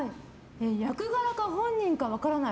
役柄か本人か分からない